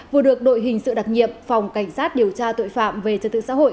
vừa được đội hình sự đặc nhiệm phòng cảnh sát điều tra tội phạm về trật tự xã hội